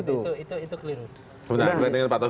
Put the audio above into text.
itu itu itu kelebihan itu